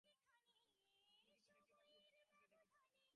কোন কিছু দেখিবার পূর্বে তাঁহাকেই দেখিতে হইবে।